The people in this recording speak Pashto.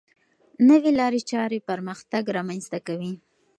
نوې لارې چارې پرمختګ رامنځته کوي.